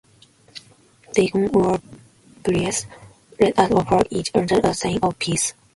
Deacon or Priest: Let us offer each other a sign of peace.